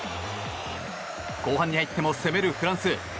後半に入っても攻めるフランス。